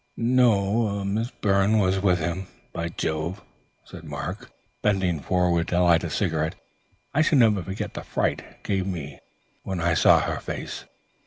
"No, Miss Byrne was with him. By Jove," said Mark, bending forward to light a cigarette, "I shall never forget the fright it gave me when I saw her face.